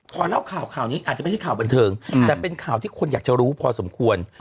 พอเล่าข่าวข่าวนี้อาจจะไม่ใช่ข่าวบันเทิงแต่เป็นข่าวที่คนอยากจะรู้พอสมควร